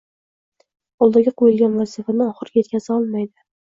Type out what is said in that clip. oldiga qo‘yilgan vazifani oxiriga yetkaza olmaydi